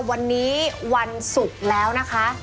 วันนี้วันศุกร์แล้วนะคะ